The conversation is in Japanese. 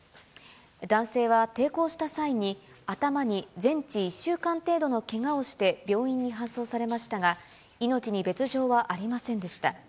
男性は抵抗した際に、頭に全治１週間程度のけがをして病院に搬送されましたが、命に別状はありませんでした。